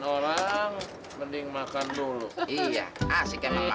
saya pasti akan kerja strike young ini